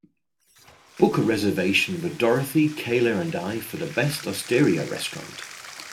Book a reservation for dorothy, kayla and I for the best osteria restaurant